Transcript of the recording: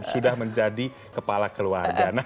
sudah menjadi kepala keluarga